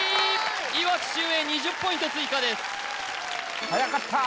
いわき秀英２０ポイント追加です・はやかった！